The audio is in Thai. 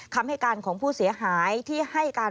คำให้การของผู้เสียหายที่ให้การ